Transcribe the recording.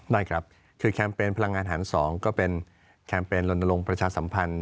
หารสองก็เป็นแคมเปญลนโดนลงประชาสัมพันธ์